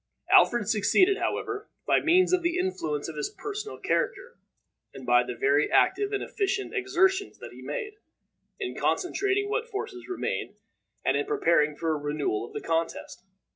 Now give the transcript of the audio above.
Alfred succeeded, however, by means of the influence of his personal character, and by the very active and efficient exertions that he made, in concentrating what forces remained, and in preparing for a renewal of the contest.